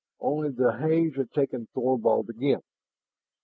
Only the haze had taken Thorvald again.